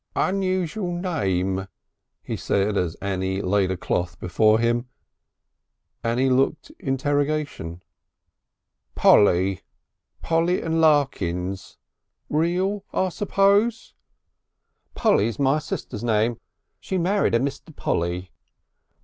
"Unusual name," he said as Annie laid a cloth before him. Annie looked interrogation. "Polly. Polly & Larkins. Real, I suppose?" "Polly's my sister's name. She married a Mr. Polly."